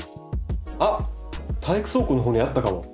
あっ体育倉庫のほうにあったかも。